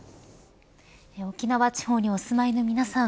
沖縄地方にお住まいの皆さん